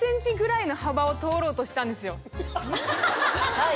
はい。